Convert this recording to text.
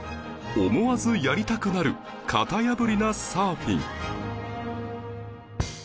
思わずやりたくなる型破りなサーフィン